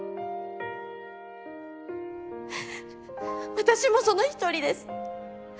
私もその１人です。